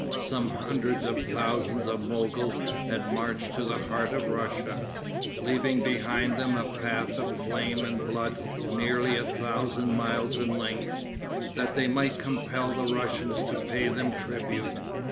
Some hundreds of thousands of Mogols had marched to the heart of Russia, leaving behind them a path of flame and blood nearly a thousand miles in length, that they might compel the Russians to pay them tribute.